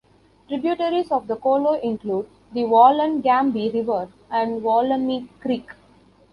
Tributaries of the Colo include the Wollangambe River and Wollemi Creek.